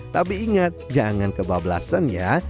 tapi ingat jangan kebablasan ya